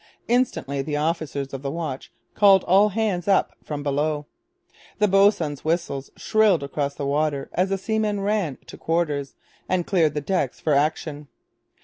Instantly the officers of the watch called all hands up from below. The boatswains' whistles shrilled across the water as the seamen ran to quarters and cleared the decks for action.